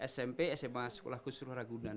smp sma sekolah kusur ragunan